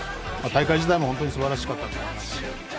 大会自体も本当にすばらしかったと思いますし。